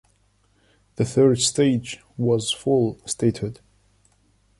The third stage was full statehood.